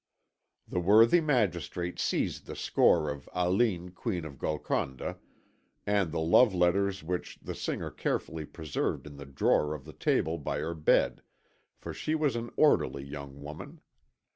The worthy Magistrate seized the score of Aline, Queen of Golconda, and the love letters which the singer carefully preserved in the drawer of the table by her bed, for she was an orderly young woman.